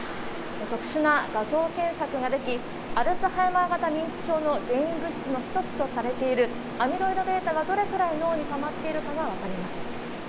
特殊な画像検索ができ、アルツハイマー型認知症の原因物質の一つとされているアミロイドβがどれくらい脳にたまっているかが分かります。